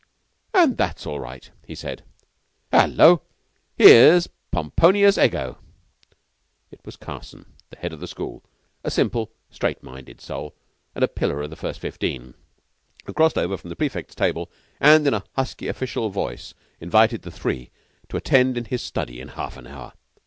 "And that's all right," he said. "Hullo! 'Ere's Pomponius Ego!" It was Carson, the head of the school, a simple, straight minded soul, and a pillar of the First Fifteen, who crossed over from the prefects' table and in a husky, official voice invited the three to attend in his study in half an hour.